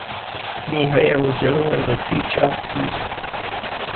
Kniha je rozdělena do tří částí.